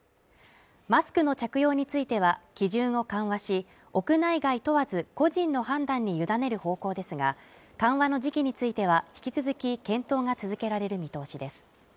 マスクの着用については基準を緩和し屋内外問わず個人の判断に委ねる方向ですが緩和の時期については引き続き検討が続けられる見通しです